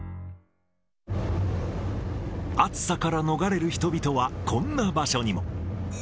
暑さから逃れる人々はこんな場所にも。